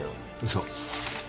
そう。